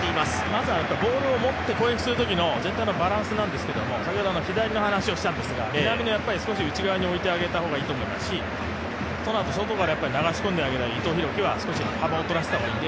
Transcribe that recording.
まずはボールを持って攻撃するときの全体のバランスなんですが先ほど左の話をしたんですが、南野、内側に置いてあげた方がいいと思いますしそのあと外から流し込んであげて伊藤洋輝は幅を取らせた方がいい。